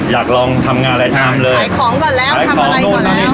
อยากลองทำงานอะไรทำเลยขายของก่อนแล้วขายของนู้นทำอะไรก่อนแล้ว